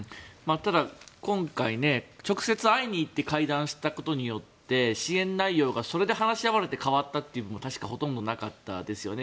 ただ、今回直接会いに行って会談したことによって支援内容が、それで話し合われて変わったという部分も確かほとんどなかったですよね。